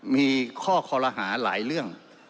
มีข้อคอลหาหลายเรื่อง